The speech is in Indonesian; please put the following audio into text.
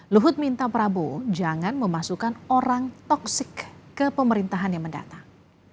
luhut minta prabowo jangan memasukkan orang toksik ke pemerintahan yang mendatang